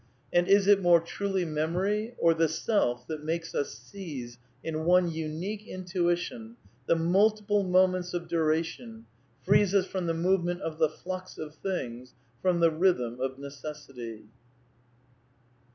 And is it more truly memory or the SeL£ that makes us ''seize in one imique intuition the mtdtiple moments of duration, frees us from the movement of the flux of things, from the rhythm of necessity